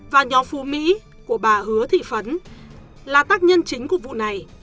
và nhóm phú mỹ của bà hứa thị phấn là tác nhân chính của vụ này